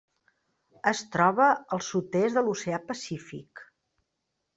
Es troba al sud-est de l'Oceà Pacífic: